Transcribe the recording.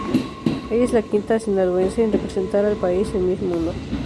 Ella es la quinta Sinaloense en representar al país en Miss Mundo.